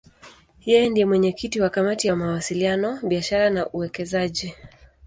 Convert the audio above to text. Yeye ndiye mwenyekiti wa Kamati ya Mawasiliano, Biashara na Uwekezaji.